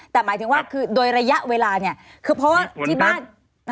แต่หมายถึงว่าคือโดยระยะเวลาเนี่ยคือเพราะว่าที่บ้าน